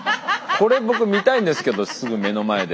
これ僕見たいんですけどすぐ目の前で。